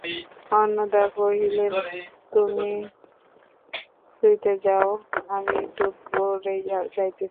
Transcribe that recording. অন্নদা কহিলেন, তুমি শুইতে যাও, আমি একটু পরেই যাইতেছি।